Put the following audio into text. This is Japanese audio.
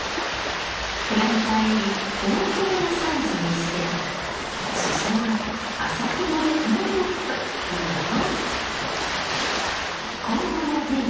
プランターより大きめのサイズにして裾は麻ひもでとめておくといいわよ。